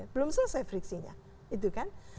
belum selesai friksinya